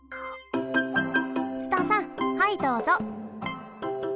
ツタさんはいどうぞ。